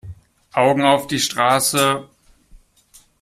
Augen auf die Straße!